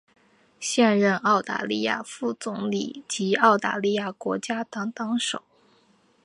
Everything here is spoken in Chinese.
现任澳大利亚副总理及澳大利亚国家党党首。